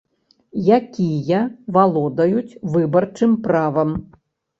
Якія валодаюць выбарчым правам.